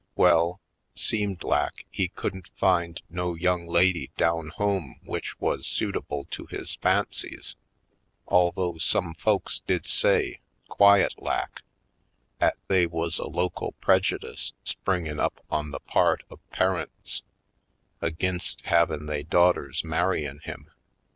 Well, seemed lak, he couldn't find no young lady down home w'ich wuz suitable to his fancies, although some folks did say, quiet lak, 'at they wuz a local prejudice springin' up on the part Sable Plots 219 of parents ag'inst havin' they daughters marryin' him.